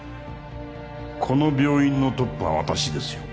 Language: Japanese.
この病院のトップは私ですよ。